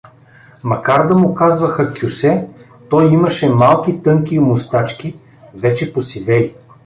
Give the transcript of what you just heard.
Макар да му казваха Кьосе, той имаше малки тънки мустачки, вече посивели.